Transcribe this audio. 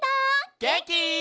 げんき？